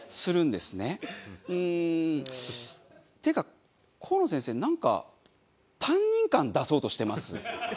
うーん。っていうかコウノ先生なんか担任感出そうとしてます？